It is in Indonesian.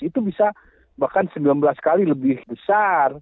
itu bisa bahkan sembilan belas kali lebih besar